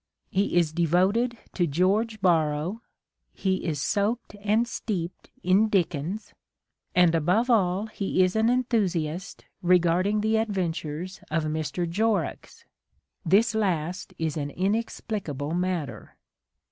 He is devoted to George Borrow : he is soaked and steeped in Dickens : and above all he is an enthusiast regarding the adventures of Mr. Jorrocks. This last is an inexplicable matter.